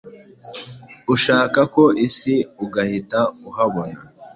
ushaka ku isi ugahita uhabona.